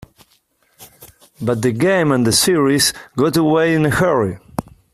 But the game and the series got away in a hurry.